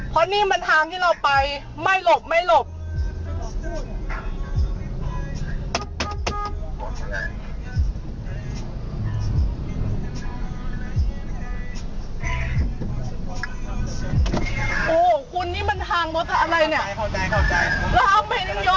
เพราะนี่มันทางที่เราไปไม่หลบไม่หลบ